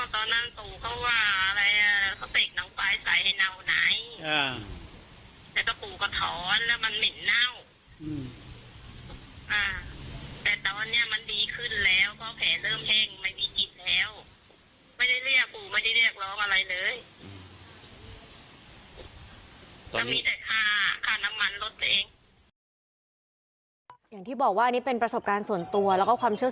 อ๋อตอนนั้นปู่เขาว่าอะไรอ่ะเขาเต็กหนังปลายใสให้เน่าไหน